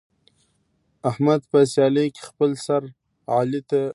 احمد په سیالۍ کې خپل سر علي ته وګرولو، خپله ماتې یې و منله.